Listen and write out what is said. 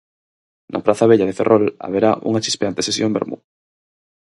Na Praza Vella de Ferrol haberá unha chispeante sesión vermú.